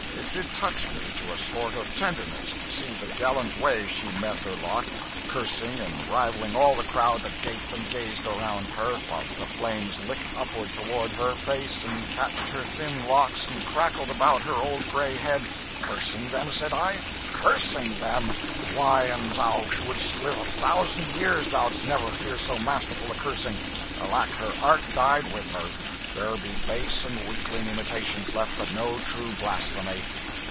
It did touch me to a sort of tenderness to see the gallant way she met her lot cursing and reviling all the crowd that gaped and gazed around her, whilst the flames licked upward toward her face and catched her thin locks and crackled about her old gray head cursing them! why an' thou should'st live a thousand years thoud'st never hear so masterful a cursing. Alack, her art died with her. There be base and weakling imitations left, but no true blasphemy."